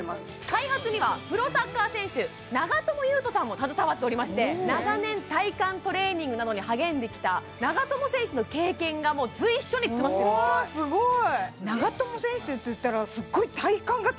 開発にはプロサッカー選手長友佑都さんも携わっておりまして長年体幹トレーニングなどに励んできた長友選手の経験がもう随所に詰まってるんですよすごい！